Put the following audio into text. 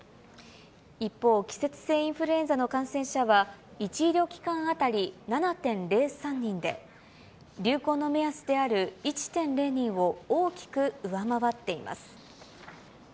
一方、季節性インフルエンザの感染者は１医療機関当たり７．０３人で、流行の目安である１．０人を大きく上回っています。